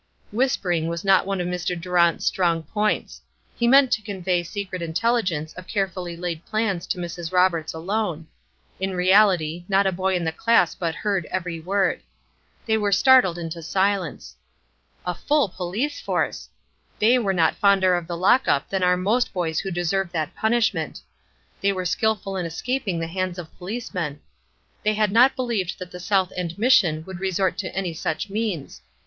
Whispering was not one of Mr. Durant's strong points. He meant to convey secret intelligence of carefully laid plans to Mrs. Roberts alone. In reality not a boy in the class but heard every word. They were startled into silence. "A full police force!" They were not fonder of the lock up than are most boys who deserve that punishment. They were skilful in escaping the hands of policemen. They had not believed that the South End Mission would resort to any such means.